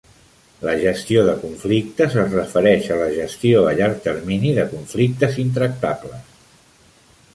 La gestió de conflictes es refereix a la gestió a llarg termini de conflictes intractables.